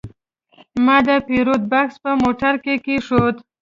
ما د پیرود بکس په موټر کې کېښود.